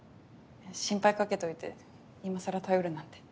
心配かけといて今更頼るなんて